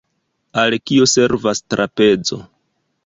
Al kio servas trapezo?